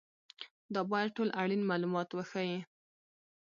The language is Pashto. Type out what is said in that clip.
دا باید ټول اړین معلومات وښيي.